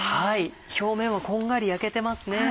表面はこんがり焼けてますね。